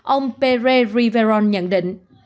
ông pere riveron nhận định